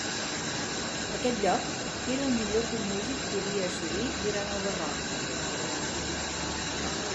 Aquest lloc era el millor que un músic podia assolir durant el Barroc.